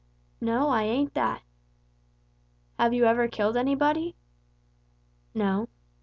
"No, I ain't that." "Have you ever killed anybody?" "No."